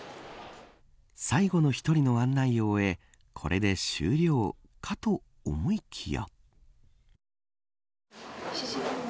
最後の１人の案内を終えこれで終了かと思いきや。